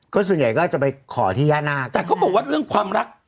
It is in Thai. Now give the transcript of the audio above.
ก็ส่วนใหญ่ก็จะไปขอที่ย่านาคแต่เขาบอกว่าเรื่องความรัก